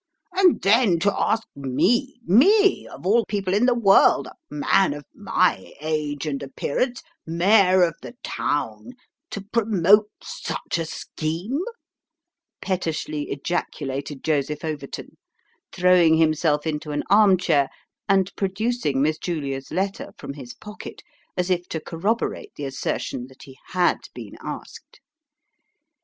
"And then to ask me me of all people in the world a man of my age and appearance mayor of the town to promote such a scheme 1 " pettishly ejaculated Joseph Overton ; throwing himself into an arm chair, and producing Miss Julia's letter from his pocket, as if to corroborate the assertion that he had been asked.